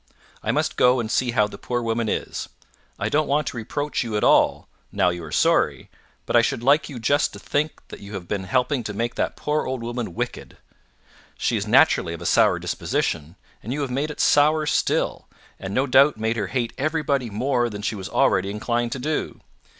I must go and see how the poor woman is. I don't want to reproach you at all, now you are sorry, but I should like you just to think that you have been helping to make that poor old woman wicked. She is naturally of a sour disposition, and you have made it sourer still, and no doubt made her hate everybody more than she was already inclined to do.